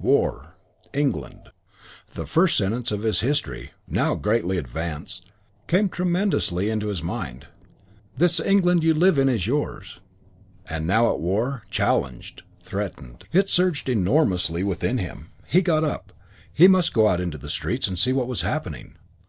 War.... England.... The first sentence of his history, now greatly advanced, came tremendously into his mind: "This England you live in is yours...." And now at war challenged threatened It surged enormously within him. He got up. He must go out into the streets and see what was happening.